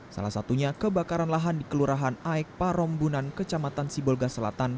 salah satunya kebakaran lahan di kelurahan aek parombunan kecamatan sibolga selatan